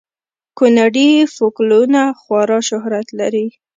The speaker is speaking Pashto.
کونړي فکولونه خورا شهرت لري